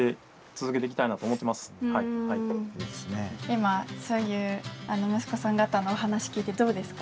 今そういう息子さん方のお話聞いてどうですか？